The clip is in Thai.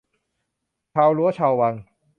ชาวรั้วชาววัง